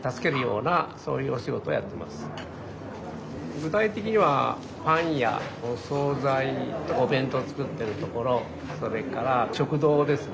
具体的にはパン屋お総菜お弁当作ってるところそれから食堂ですね